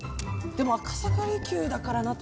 でも赤坂璃宮だからな。